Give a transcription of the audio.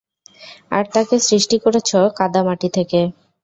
আর তাকে সৃষ্টি করেছ কাদা মাটি থেকে।